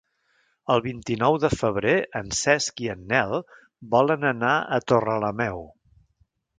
El vint-i-nou de febrer en Cesc i en Nel volen anar a Torrelameu.